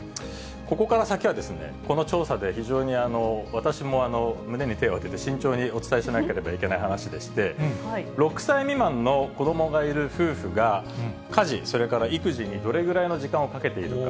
ここから先はですね、この調査で非常に私も胸に手を当てて慎重にお伝えしなければいけない話でして、６歳未満の子どもがいる夫婦が、家事、それから育児にどれぐらいの時間をかけているか。